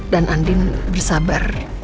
dan andin bersabar